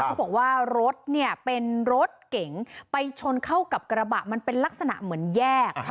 เขาบอกว่ารถเนี่ยเป็นรถเก๋งไปชนเข้ากับกระบะมันเป็นลักษณะเหมือนแยก